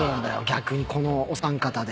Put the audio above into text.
逆にこのお三方で。